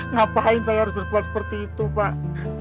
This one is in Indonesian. ngapain saya harus berbuat seperti itu pak